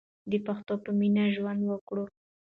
د پښتو په مینه ژوند وکړو.